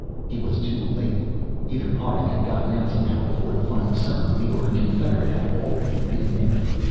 He was too late. Either Harding had gotten out somehow before the final ceremony or a confederate had already been here.